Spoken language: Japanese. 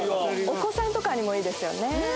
お子さんとかにもいいですよね。